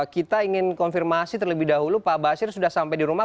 kita ingin konfirmasi terlebih dahulu pak basir sudah sampai di rumah